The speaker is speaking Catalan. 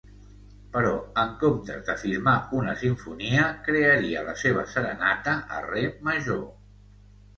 Però en comptes de firmar una simfonia, crearia la seva serenata a re major.